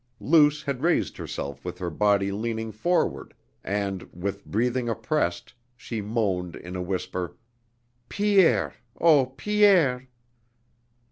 Luce had raised herself with her body leaning forward and, with breathing oppressed, she moaned in a whisper: "Pierre, oh, Pierre!"